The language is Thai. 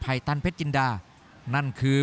รับทราบบรรดาศักดิ์